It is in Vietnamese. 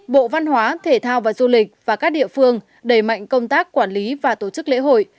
bộ văn hóa thể thao và du lịch và các địa phương đẩy mạnh công tác quản lý và tổ chức lễ hội